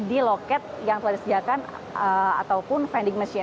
di loket yang telah disediakan ataupun vending machine